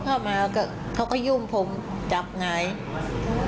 เข้ามาเขาก็ยุ่มผมจับไหง